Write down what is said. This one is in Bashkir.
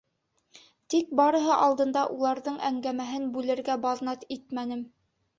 Тик барыһы алдында уларҙың әңгәмәһен бүлергә баҙнат итмәнем.